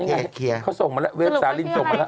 ก็ได้แล้วเขาส่งมาแล้วเว็บสารินดร์ส่งมาแล้ว